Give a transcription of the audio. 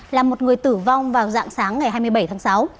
là một người tử vong vào dạng sáng ngày hai mươi bảy tháng sáu